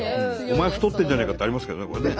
お前太ってんじゃねえかってありますけどねこれね。